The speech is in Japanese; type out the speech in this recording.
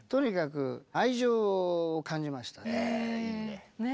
いいね。